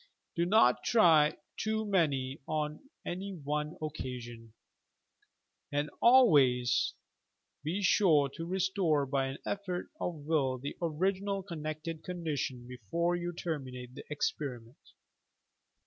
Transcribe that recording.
Do not try too many on any one occasion, and always be sure to restore by an effort of will the original con nected condition before you terminate the experiment.